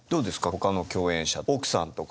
ほかの共演者奥さんとか。